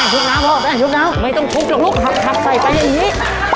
ได้ทุกข์หน้าพ่อไม่ต้องทุกข์หลบหลบหักใส่ไปอย่างนี้